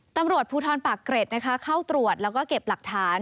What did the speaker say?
ตำรวจภูทรปากเกร็ดนะคะเข้าตรวจแล้วก็เก็บหลักฐาน